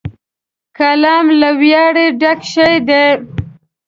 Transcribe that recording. قلم له ویاړه ډک شی دی